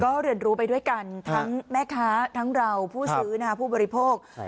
ก็เรียนรู้ไปด้วยกันทั้งแม่ค้าทั้งเราผู้ซื้อผู้บริโภค